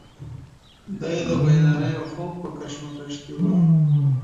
دی د بیدارۍ او خوب په کشمکش کې و.